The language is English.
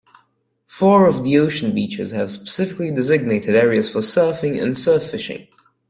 Four of the ocean beaches have specifically designated areas for surfing and surf-fishing.